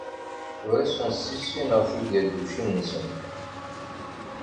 Ur asen-ssissineɣ tigargucin-nsen.